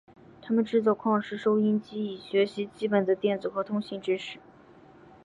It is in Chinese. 他们制作矿石收音机以学习基本的电子和通信知识。